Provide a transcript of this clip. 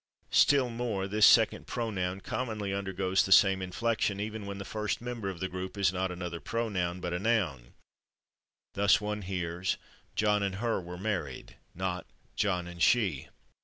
Still more, this second pronoun [Pg222] commonly undergoes the same inflection even when the first member of the group is not another pronoun, but a noun. Thus one hears "John and /her/ were married," not "John and /she